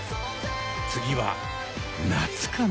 次は夏かな？